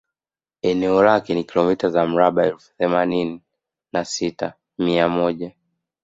Eneo lake ni kilometa za mraba elfu themanini na sita mia moja